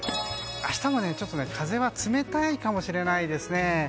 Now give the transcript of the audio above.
明日もちょっと風は冷たいかもしれないですね。